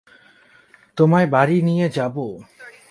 তোমায় বাড়ি নিয়ে যাবো।